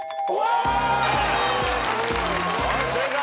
はい正解。